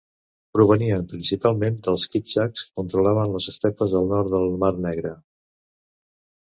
Provenien principalment dels kiptxaks, que controlaven les estepes al nord del Mar Negre.